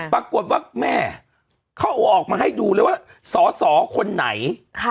ปรากฏว่าแม่เขาออกมาให้ดูเลยว่าสอสอคนไหน